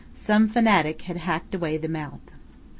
Some fanatic had hacked away the mouth.